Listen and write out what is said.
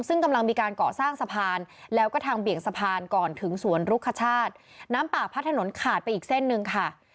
ซึ่งกำลังมีการก่อสร้างสะพานแล้วก็ทางเบี่ยงสะพานก่อนถึงสวนรุคชาติน้ำป่าพัดถนนขาดไปอีกเส้นหนึ่งค่ะ